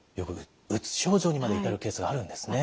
うつ症状にまで至るケースがあるんですね。